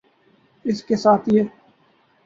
اس کے ساتھ یہ